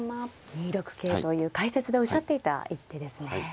２六桂という解説でおっしゃっていた一手ですね。